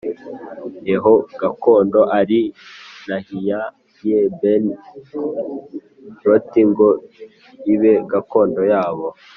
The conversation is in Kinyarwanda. ye ho gakondo ari+ nayihaye bene loti+ ngo ibe gakondo yabo